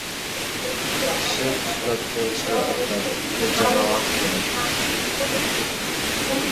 Kishi uzlatda yashay olmaydi, unga jamoat kerak.